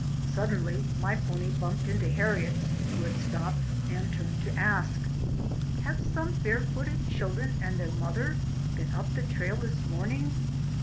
Suddenly my pony bumped into Har riet's who had stopped and turned to ask: "Have some bare footed children and their mother been up the trail this morning